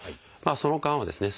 その間はですね